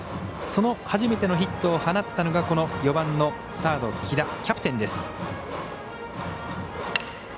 その初めてのヒットを放ったのが４番のサード来田キャプテンです。